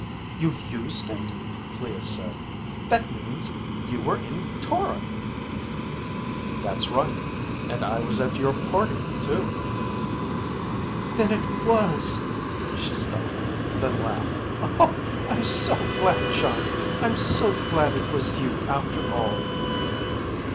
"You used it?" Clea said. "That means you were in Toron!" "That's right. And I was at your party too." "Then it was ..." She stopped. Then laughed, "I'm so glad, Jon. I'm so glad it was you after all."